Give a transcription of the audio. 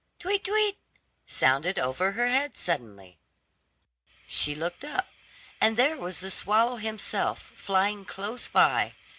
"Tweet, tweet," sounded over her head suddenly. She looked up, and there was the swallow himself flying close by.